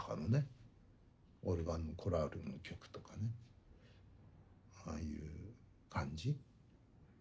オルガンのコラールの曲とかねああいう感じ？